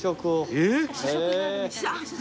えっ！